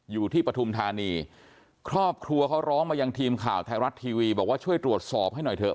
ปฐุมธานีครอบครัวเขาร้องมายังทีมข่าวไทยรัฐทีวีบอกว่าช่วยตรวจสอบให้หน่อยเถอะ